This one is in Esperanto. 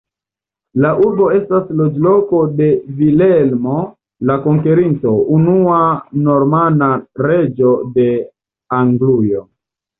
La urbo estas naskiĝloko de Vilhelmo la Konkerinto, unua normana reĝo de Anglujo.